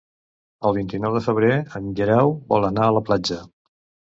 El vint-i-nou de febrer en Guerau vol anar a la platja.